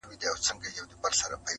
o جنگ پر شدياره ښه دئ، نه پر خاوره٫